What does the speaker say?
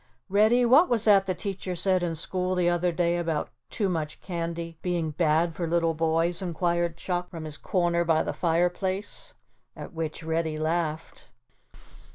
"Reddy, what was that the teacher said in school the other day about too much candy being bad for little boys?" inquired Chuck from his corner by the fireplace, at which Reddy laughed.